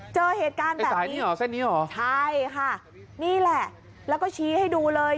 เจอเหตุการณ์แบบนี้ใช่ค่ะนี่แหละแล้วก็ชี้ให้ดูเลย